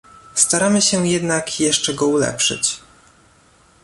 Staramy się jednak jeszcze go ulepszyć